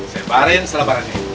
sebarkan selama hari ini